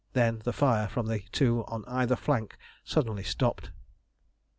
Then the fire from the two on either flank suddenly stopped.